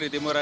di timur ada